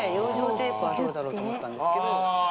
テープはどうだろうと思ったんですけど。